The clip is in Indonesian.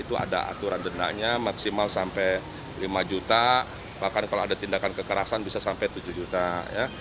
itu ada aturan dendanya maksimal sampai lima juta bahkan kalau ada tindakan kekerasan bisa sampai tujuh juta ya